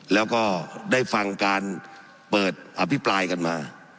แล้วก็ได้ฟังการเปิดอภิปรายกันมา